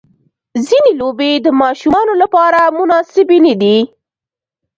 ځینې لوبې د ماشومانو لپاره مناسبې نه دي.